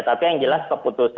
tapi yang jelas keputusan